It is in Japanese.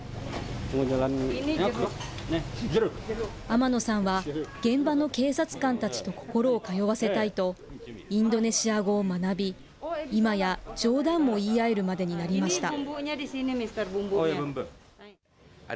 天野さんは、現場の警察官たちと心を通わせたいと、インドネシア語を学び、今や、冗談も言い合えるまでになりました。